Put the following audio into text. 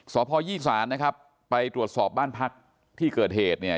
สพยี่สารนะครับไปตรวจสอบบ้านพักที่เกิดเหตุเนี่ย